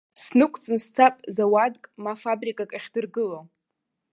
Снықәҵны сцап зауадк, ма фабрикак ахьдыргыло.